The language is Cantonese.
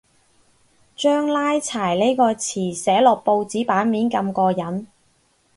將拉柴呢個詞寫落報紙版面咁過癮